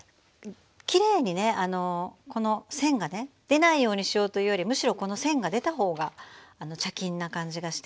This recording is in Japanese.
きれいにねこの線がね出ないようにしようというよりむしろこの線が出た方が茶巾な感じがしていいかと。